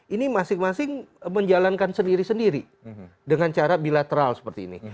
ini masing masing menjalankan sendiri sendiri dengan cara bilateral seperti ini